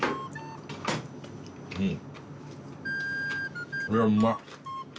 うん！